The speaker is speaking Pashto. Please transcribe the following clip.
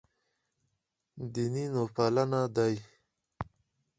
دیني نوپالنه دی.